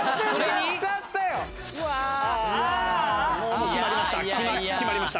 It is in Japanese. もう決まりました。